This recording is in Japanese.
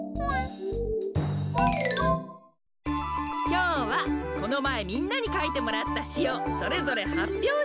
きょうはこのまえみんなにかいてもらったしをそれぞれはっぴょうしてもらいます。